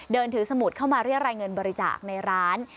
เดินถือสมุดเข้ามาเรียรายเงินบริจาคในร้าน